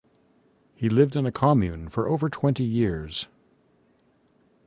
He lived in a commune for over twenty years.